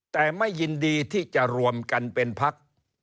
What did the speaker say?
แต่ไม่ยินดีที่จะรวมกันเป็นพัก